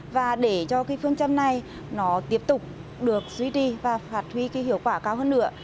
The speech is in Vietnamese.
và để cho cái phương châm này nó tiếp tục được duy trì và phát huy cái hiệu quả cao hơn nữa